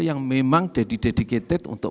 yang memang didedicated untuk